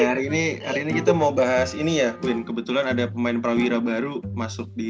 hari ini hari ini kita mau bahas ini ya queen kebetulan ada pemain prawira baru masuk di